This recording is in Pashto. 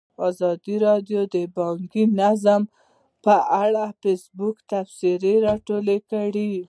ازادي راډیو د بانکي نظام په اړه د فیسبوک تبصرې راټولې کړي.